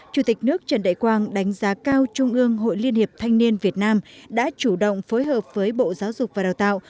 chủ tịch nước trần đại quang đánh giá cao trung ương hội liên hiệp thanh niên việt nam đã chủ động phối hợp với bộ giáo dục và đào tạo